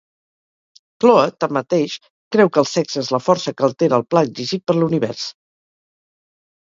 Chloe, tanmateix, creu que el sexe és la força que altera el pla exigit per l'univers.